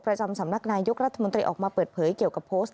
ประจำสำนักนายกรัฐมนตรีออกมาเปิดเผยเกี่ยวกับโพสต์